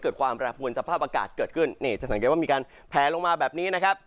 ความแปรปวนสภาพอากาศเกิดขึ้นนี่จะสังเกตว่ามีการแผลลงมาแบบนี้นะครับ